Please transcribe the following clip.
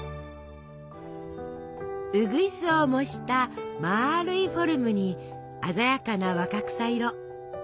うぐいすを模したまるいフォルムに鮮やかな若草色。